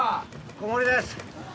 小森です